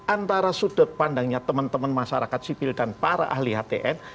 antara sudut pandangnya teman teman masyarakat sipil dan para ahli htn